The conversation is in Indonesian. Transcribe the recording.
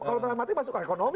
kalau matematik masuk ke ekonomi